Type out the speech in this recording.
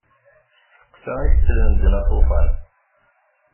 S tfesqa i tettlen medden aṭufan.